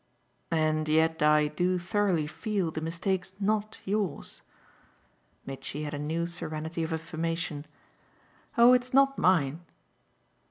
"And yet I do thoroughly feel the mistake's not yours." Mitchy had a new serenity of affirmation. "Oh it's not mine."